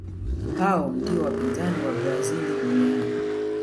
hao ndiyo wapinzani wa brazil duniani